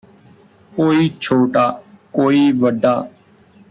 ਕੋਈ ਛੋਟਾ ਕੋਈ ਵੱਡਾ